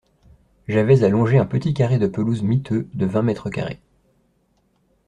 J’avais à longer un petit carré de pelouse miteux de vingt mètres carrés.